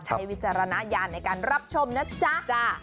วิจารณญาณในการรับชมนะจ๊ะ